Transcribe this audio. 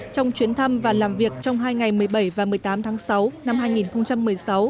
trong chuyến thăm và làm việc trong hai ngày một mươi bảy và một mươi tám tháng sáu năm hai nghìn một mươi sáu